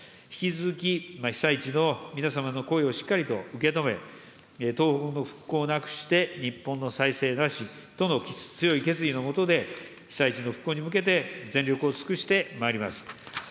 引き続き被災地の皆様の声をしっかりと受け止め、東北の復興なくして日本の再生なしとの強い決意の下で、被災地の復興に向けて、全力を尽くしてまいります。